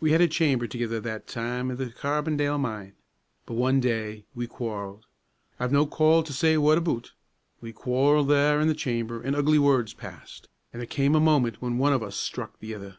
We had a chamber thegither that time i' the Carbondale mine. But one day we quarrelled, I've no call to say what aboot, we quarrelled there in the chamber, an' ugly words passed, an' there cam' a moment when one o' us struck the ither.